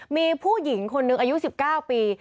มีผู้หญิงคนหนึ่งอายุ๑๙ปี